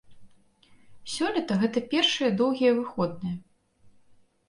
Сёлета гэта першыя доўгія выходныя.